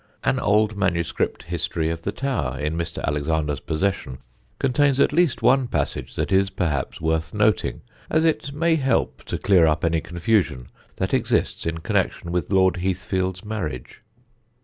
An old manuscript history of the tower, in Mr. Alexander's possession, contains at least one passage that is perhaps worth noting, as it may help to clear up any confusion that exists in connection with Lord Heathfield's marriage.